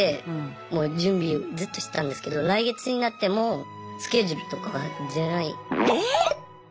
もう準備ずっとしてたんですけど来月になってもスケジュールとかが出ない。